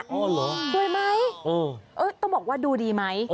อ๋อเหรอโดยไหมต้องบอกว่าดูดีไหม